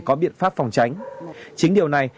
có biện pháp phòng tránh chính điều này